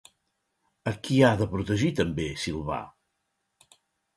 A qui ha de protegir també Silvà?